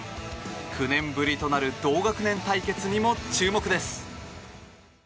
９年ぶりとなる同学年対決にも注目です。